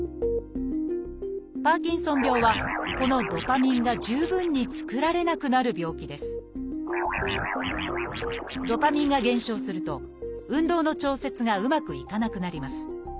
パーキンソン病はこのドパミンが十分に作られなくなる病気ですドパミンが減少すると運動の調節がうまくいかなくなります。